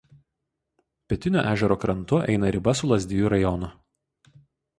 Pietiniu ežero krantu eina riba su Lazdijų rajonu.